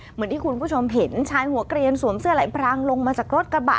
เหมือนที่คุณผู้ชมเห็นชายหัวเกลียนสวมเสื้อไหลพรางลงมาจากรถกระบะ